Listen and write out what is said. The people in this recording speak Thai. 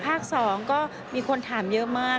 ภาค๒ก็มีคนถามเยอะมาก